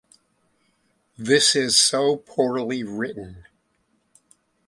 This is so poorly written.